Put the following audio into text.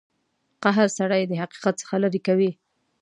قهر سړی د حقیقت څخه لرې کوي.